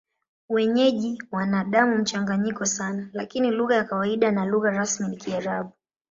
Wenyeji wana damu mchanganyiko sana, lakini lugha ya kawaida na lugha rasmi ni Kiarabu.